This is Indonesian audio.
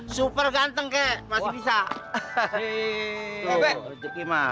super ganteng kek masih bisa